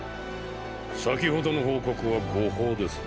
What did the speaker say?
先ほどの報告は誤報です。